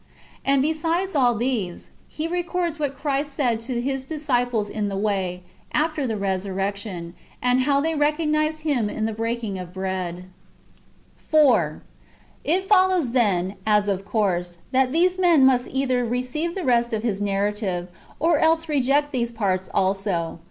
And besides all these, [he records] what [Christ] said to His disciples in the way, after the resurrection, and how they recognised Him in the breaking of bread.^ 4. It follows then, as of course, that these men must either receive the rest of liis narrative, or else reject these parts also.